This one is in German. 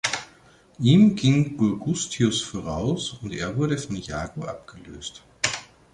Ihm ging Gurgustius voraus und er wurde von Jago abgelöst.